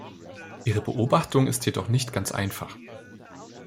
Ihre Beobachtung ist jedoch nicht ganz einfach.